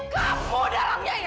kamu dalangnya ya